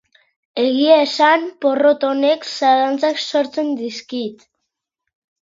Egia esan, porrot honek zalantzak sortzen diizkit.